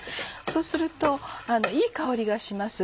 そうするといい香りがします。